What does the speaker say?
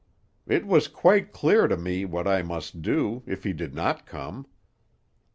It was quite clear to me what I must do, if he did not come.